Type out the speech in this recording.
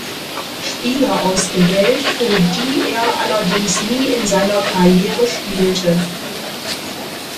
Spieler ausgewählt, für die er allerdings nie in seiner Karriere spielte.